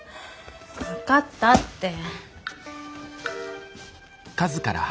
分かったって。